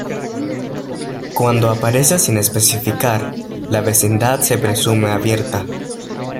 Cuando aparece sin especificar, la vecindad se presume abierta.